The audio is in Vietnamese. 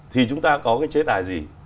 thì chúng ta có cái chế tài gì